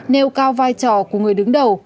nâng cao vai trò của người đứng đầu